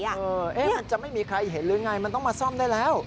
มันจะไม่มีใครเห็นหรือไงมันต้องมาซ่อมได้แล้ว